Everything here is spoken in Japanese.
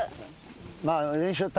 まあ。